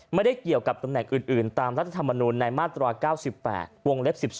ไม่ได้เกี่ยวกับตำแหน่งอื่นตามรัฐธรรมนูลในมาตรา๙๘วงเล็บ๑๒